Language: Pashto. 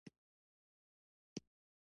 د سهار چای خوږ خوند لري